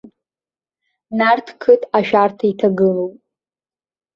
Нарҭқыҭ ашәарҭа иҭагылоуп.